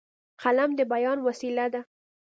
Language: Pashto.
قلم د بیان وسیله ده.